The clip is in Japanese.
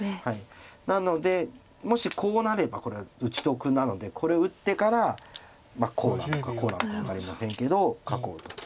なのでもしこうなればこれは打ち得なのでこれを打ってからまあこうなのかこうなのか分かりませんけど囲うと。